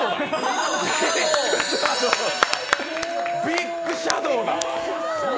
ビッグシャドウ。